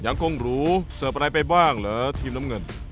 คงหรูเสิร์ฟอะไรไปบ้างเหรอทีมน้ำเงิน